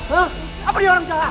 hah apa dia orang jahat